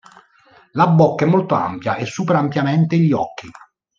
La bocca è molto ampia e supera ampiamente gli occhi.